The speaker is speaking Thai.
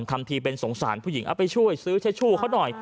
ทำทีเป็นสงสารผู้หญิงเอาไปช่วยซื้อเชชชู่เขาหน่อย